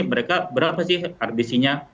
mereka berapa sih rbc nya